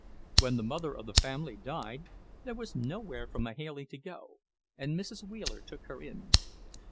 When the mother of the family died, there was nowhere for Mahailey to go, and Mrs. Wheeler took her in.